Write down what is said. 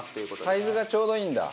サイズがちょうどいいんだ。